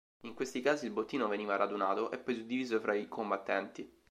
In questi casi, il bottino veniva radunato, e poi suddiviso fra i combattenti.